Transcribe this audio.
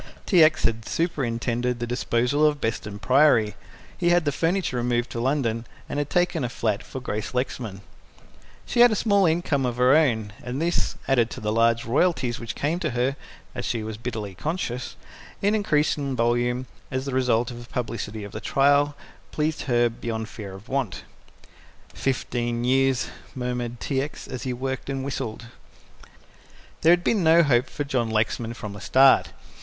T. X. had superintended the disposal of Beston Priory. He had the furniture removed to London, and had taken a flat for Grace Lexman. She had a small income of her own, and this, added to the large royalties which came to her (as she was bitterly conscious) in increasing volume as the result of the publicity of the trial, placed her beyond fear of want. "Fifteen years," murmured T. X., as he worked and whistled. There had been no hope for John Lexman from the start.